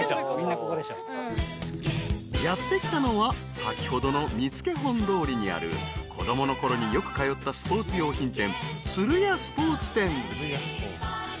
［やって来たのは先ほどの見付本通りにある子供のころによく通ったスポーツ用品店］